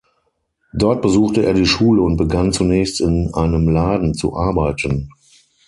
Dort besuchte er die Schule und begann zunächst in einem Laden zu arbeiten.